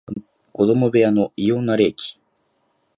子供部屋の異様な冷気